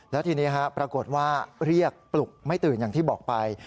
แล้วทีนี้ปรากฏว่าเรียกปลุกไม่ตื่นอย่างที่บอกไป